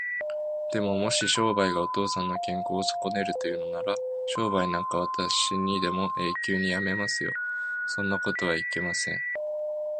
でも、もし商売がお父さんの健康をそこねるというのなら、商売なんかあしたにでも永久にやめますよ。そんなことはいけません。